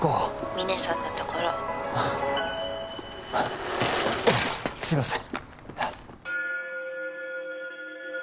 ☎峰さんのところあっすいません